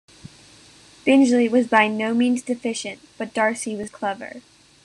Bingley was by no means deficient, but Darcy was clever.